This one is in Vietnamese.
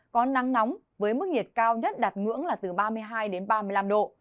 có nắng nóng với mức nhiệt cao nhất đạt ngưỡng là từ ba mươi hai đến ba mươi năm độ